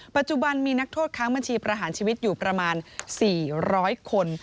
ปัจจุบันมีนักโทษค้างบัญชีประหารชีวิตอยู่ประมาณ๔๐๐คน